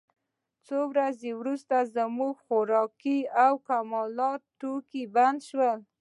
څو ورځې وروسته زموږ خوراکي او اکمالاتي توکي بند شول